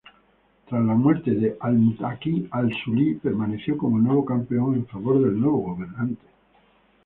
Tras la muerte de Al-Muqtafi, al-Suli permaneció como campeón en favor del nuevo gobernante.